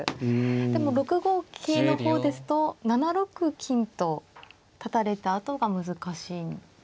でも６五桂の方ですと７六金と立たれたあとが難しいんですかね。